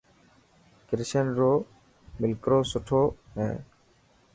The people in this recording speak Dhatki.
ڪرشن رو ملڪروس مٺو هي.